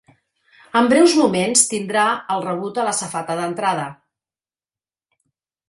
En breus moments tindrà el rebut a la safata d'entrada.